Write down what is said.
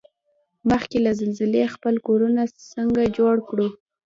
مخکې له زلزلې خپل کورنه څنګه جوړ کوړو؟